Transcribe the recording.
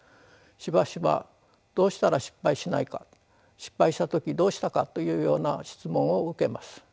しばしばどうしたら失敗しないか失敗した時どうしたかというような質問を受けます。